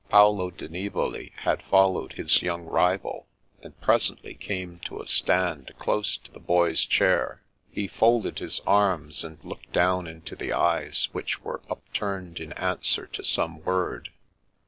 Paolo di Nivoli had followed his young rival, and presently came to a stand close to the Boy's chair. He folded his arms, and looked down into the eyes which were upturned in answer to some word.